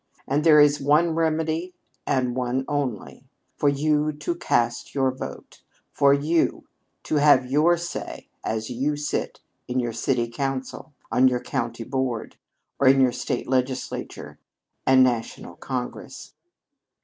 And there is one remedy and one only: for you to cast your vote for you to have your say as you sit in your city council, on your county board, or in your state legislature and national congress.